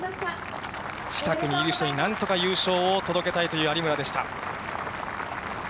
近くにいる人になんとか優勝を届けたいという有村でした。